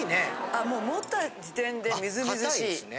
あ持った時点でみずみずしい。